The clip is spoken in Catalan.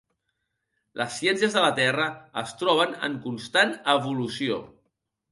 Les ciències de la Terra es troben en constant evolució.